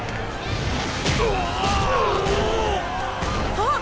あっ！